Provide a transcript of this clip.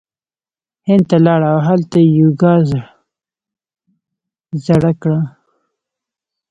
هند ته لاړ او هلته یی یوګا زړه کړه